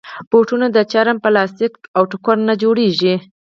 بوټونه د چرم، پلاسټیک، او ټوکر نه جوړېږي.